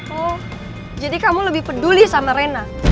oh jadi kamu lebih peduli sama rena